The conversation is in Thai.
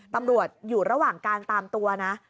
ตำรวจอยู่ระหว่างการตามตัวนะ